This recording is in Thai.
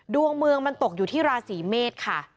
ดวงเมืองมันตกอยู่ที่ราศีเมษค่ะ